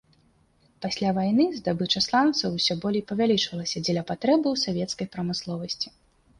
Пасля вайны здабыча сланцаў усё болей павялічвалася дзеля патрэбаў савецкай прамысловасці.